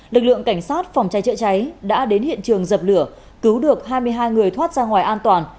lực lượng cảnh sát phòng cháy chữa cháy đã đến hiện trường dập lửa cứu được hai mươi hai người thoát ra ngoài an toàn